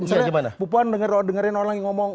misalnya bu puan dengerin orang yang ngomong